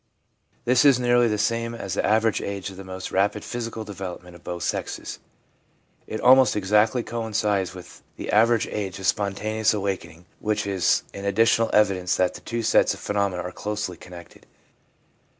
This is nearly the same as the average age of the most rapid physical development of both sexes. It almost exactly coincides with the average age of spontaneous awakening, which is an additional evidence that the two sets of phenomena are closely connected.